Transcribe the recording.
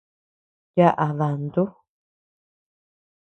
Yaʼa dantu.